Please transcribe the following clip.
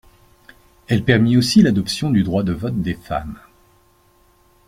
Elle permit aussi l'adoption du droit de vote des femmes.